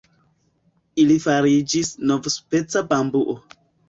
Ili fariĝis novspeca bambuo.